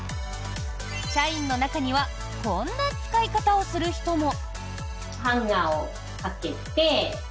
社員の中にはこんな使い方をする人も。